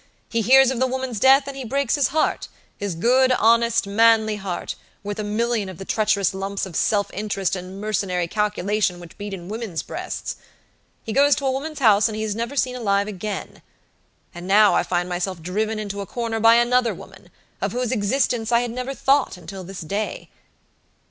He hears of the woman's death and he breaks his hearthis good honest, manly heart, worth a million of the treacherous lumps of self interest and mercenary calculation which beats in women's breasts. He goes to a woman's house and he is never seen alive again. And now I find myself driven into a corner by another woman, of whose existence I had never thought until this day.